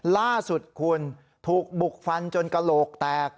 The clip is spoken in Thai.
ล่าสุดคุณถูกบุกฟันจนกระโหลกแตก